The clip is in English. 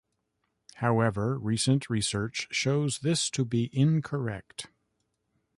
However recent research shows this to be incorrect.